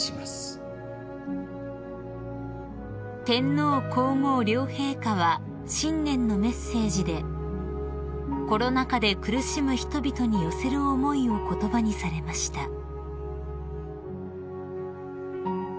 ［天皇皇后両陛下は新年のメッセージでコロナ禍で苦しむ人々に寄せる思いを言葉にされました］